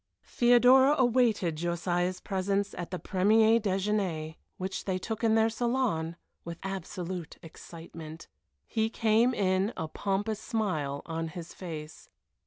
Theodora awaited Josiah's presence at the premier déjeuner, which they took in their salon, with absolute excitement. He came in, a pompous smile on his face.